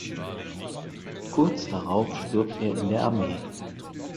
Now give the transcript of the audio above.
Kurz darauf stirbt er in der Armee.